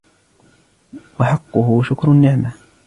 وَحَقُّهُ شُكْرُ النِّعْمَةِ